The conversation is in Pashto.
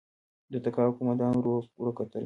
د تګاو قوماندان ورور وکتل.